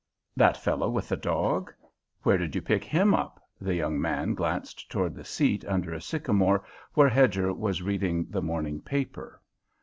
"That fellow with the dog? Where did you pick him up?" the young man glanced toward the seat under a sycamore where Hedger was reading the morning paper.